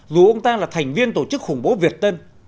dù ông ta là thành viên tổ chức khủng bố việt tân